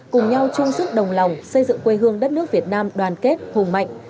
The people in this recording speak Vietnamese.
cùng nhau chung sức đồng lòng xây dựng quê hương đất nước việt nam đoàn kết hùng mạnh